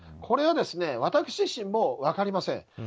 これは私自身も分かりません。